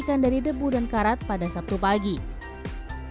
seberapa orang yang mengambil alat kain ini di rumah tempat yang terbatas pada hari ini